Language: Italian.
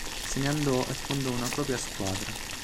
Se ne andò e fondò una sua propria squadra.